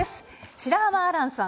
白濱亜嵐さん